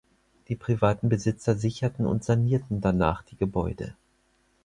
Die privaten Besitzer sicherten und sanierten danach die Gebäude.